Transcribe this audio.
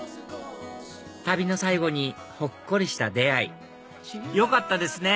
旅の最後にほっこりした出会いよかったですね